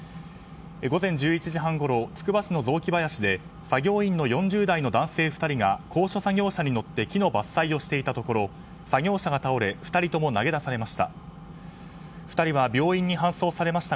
午前１１時半ごろつくば市の雑木林で作業員の４０代の男性２人が高所作業車に乗って木の伐採をしていたところ作業車が倒れ２人とも投げ出されました。